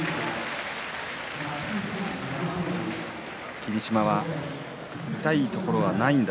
霧島は痛いところはないんだ